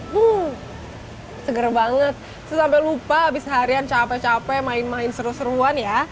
wuh seger banget terus sampai lupa habis harian capek capek main main seru seruan ya